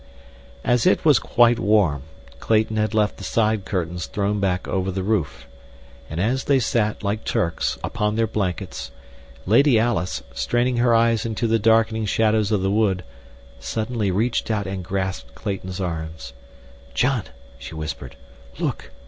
As it was quite warm, Clayton had left the side curtains thrown back over the roof, and as they sat, like Turks, upon their blankets, Lady Alice, straining her eyes into the darkening shadows of the wood, suddenly reached out and grasped Clayton's arms. "John," she whispered, "look!